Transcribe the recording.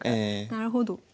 なるほど。